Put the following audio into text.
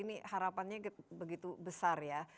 ini harapannya begitu besar ya